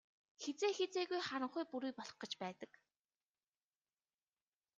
Хэзээ хэзээгүй харанхуй бүрий болох гэж байдаг.